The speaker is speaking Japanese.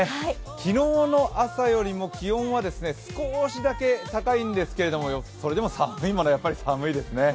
昨日の朝よりも気温は少しだけ高いんですけど、それでも寒いものはやっぱり寒いですね。